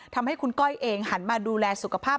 ทำให้คุณก้อยเองหันมาดูแลสุขภาพ